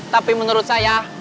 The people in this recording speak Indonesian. tapi menurut saya